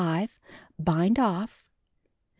Bind off. 6.